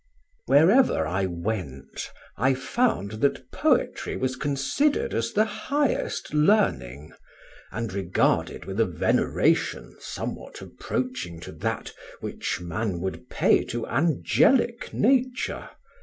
"WHEREVER I went I found that poetry was considered as the highest learning, and regarded with a veneration somewhat approaching to that which man would pay to angelic nature.